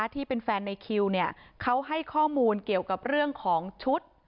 ที่เป็นแฟนในคิวเขาให้ข้อมูลเกี่ยวกับเรื่องของชุด